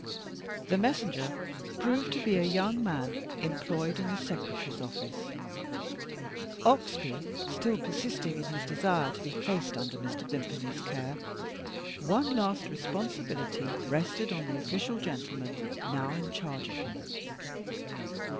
The messenger proved to be a young man employed in the secretary's office. Oxbye still persisting in his desire to be placed under Mr. Vimpany's care; one last responsibility rested on the official gentlemen now in charge of him.